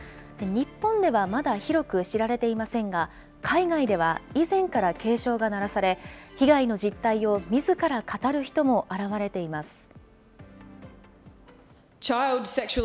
日本ではまだ広く知られていませんが、海外では以前から警鐘が鳴らされ、被害の実態をみずから語る人も現れています。